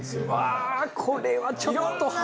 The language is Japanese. うわーこれはちょっと。